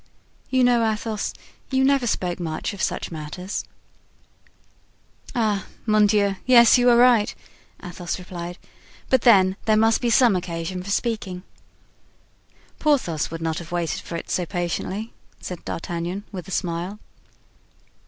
You know, Athos, you never spoke much of such matters." "Ah, mon Dieu, yes, you are right," Athos replied; "but then there must be some occasion for speaking." "Porthos wouldn't have waited for it so patiently," said D'Artagnan, with a smile.